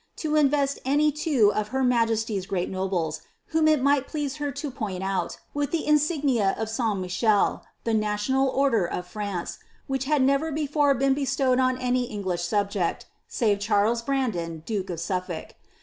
to invest any two of her Riaje«(y''s great nobles, whoa it might pleaM her to point out, with the insignia of Saint Michael, tb UHtional order of France, which had never before been bestowed on •■) Engliih subject, save Charier Brandon, duke of Suffolk.